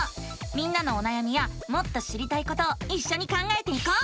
みんなのおなやみやもっと知りたいことをいっしょに考えていこう！